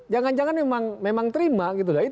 jangan jangan memang terima gitu